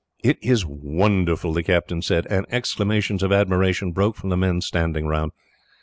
"It is wonderful," the captain said; and exclamations of admiration broke from the men standing round.